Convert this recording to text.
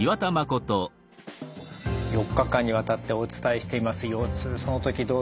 ４日間にわたってお伝えしています